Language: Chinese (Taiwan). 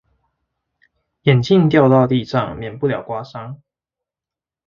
眼鏡掉到地上免不了刮傷